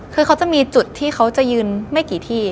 คือเขาจะมีจุดที่เขาจะยืนไม่กี่ที่